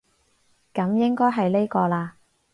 噉應該係呢個喇